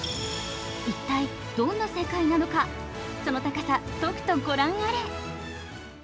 一体、どんな世界なのか、その高さ、とくと御覧あれ。